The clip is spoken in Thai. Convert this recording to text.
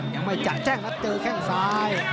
ยังไม่จัดแจ้งแล้วเจอแข้งซ้าย